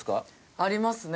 ありますね。